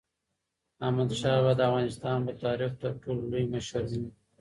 احمدشاه بابا د افغانستان په تاریخ کې تر ټولو لوی مشر و.